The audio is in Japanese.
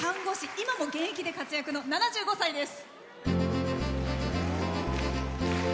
今も現役で活躍の７５歳です。